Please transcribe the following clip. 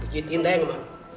jitin den mah